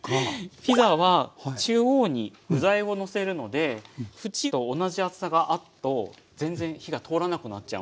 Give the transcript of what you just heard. ピザは中央に具材をのせるので縁と同じ厚さがあると全然火が通らなくなっちゃうんです。